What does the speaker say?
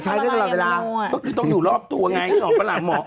มะโนทำอะไรอย่างมะโนคือต้องอยู่รอบตัวไงหลังหมอ